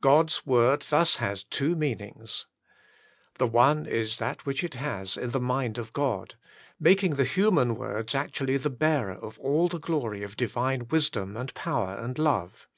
God's Word thus has two meanings. The one is that which it has in the mind of God, making the human words actually the bearer of all the glory of Divine wisdom, and power, and love.